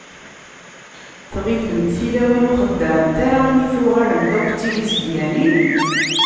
Tɣilemt tilawin ur xeddɛent ara imi tuɣalemt akk d tilisbyanin?